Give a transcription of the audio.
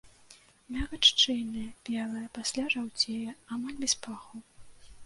Мякаць шчыльная, белая, пасля жаўцее, амаль без паху.